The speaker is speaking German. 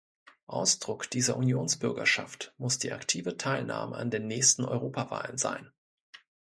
Ausdruck dieser Unionsbürgerschaft muss die aktive Teilnahme an den nächsten Europawahlen sein.